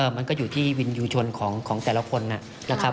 มันก็อยู่ที่วิญญาณชนของแต่ละคนนะ